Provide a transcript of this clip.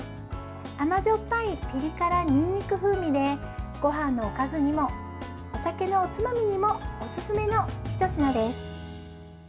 甘酸っぱいピリ辛にんにく風味でごはんのおかずにもお酒のおつまみにもおすすめのひと品です。